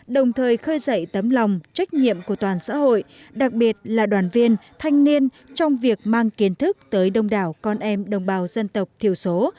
đồng thời khơi dậy tấm lòng trách nhiệm của toàn xã hội đặc biệt là đoàn viên thanh niên trong việc mang kiến thức tới đông đảo con em đồng bào dân tộc thiểu số